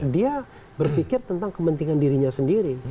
dia berpikir tentang kepentingan dirinya sendiri